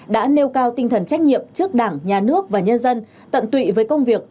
đã nêu cao tinh thần trách nhiệm trước đảng nhà nước và nhân dân tận tụy với công việc